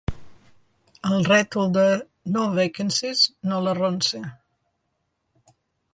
El rètol de “No vacancies” no l'arronsa.